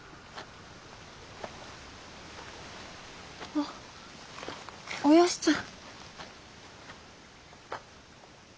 あおよしちゃん。